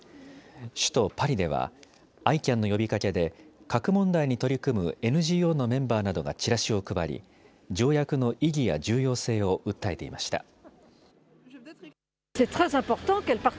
首都パリではＩＣＡＮの呼びかけで核問題に取り組むＮＧＯのメンバーなどがチラシを配り、条約の意義や重要性を訴えていました。